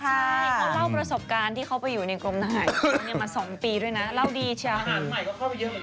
เขาเล่าประสบการณ์ที่เข้าไปอยู่ในกลมหน้าหายมา๒ปีด้วยนะเล่าดีจัง